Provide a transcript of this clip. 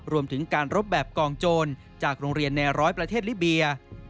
รวมถึงการรบแบบกองโจรจากโรงเรียนในร้อยประเทศลิเบีย